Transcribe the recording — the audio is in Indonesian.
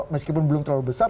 meskipun belum terlalu besar